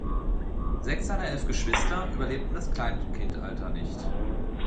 Sechs seiner elf Geschwister überlebten das Kleinkindalter nicht.